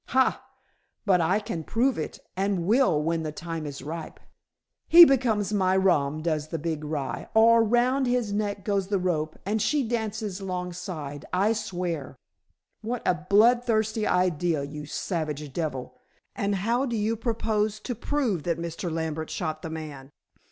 "Ha! but I can prove it, and will when the time is ripe. He becomes my rom does the big rye, or round his neck goes the rope; and she dances long side, I swear." "What a bloodthirsty idea, you savage devil! And how do you propose to prove that Mr. Lambert shot the man?"